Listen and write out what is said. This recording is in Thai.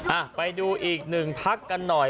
อ่ะไปดูอีกหนึ่งพักกันหน่อย